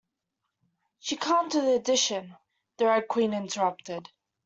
‘She can’t do addition,’ the Red Queen interrupted.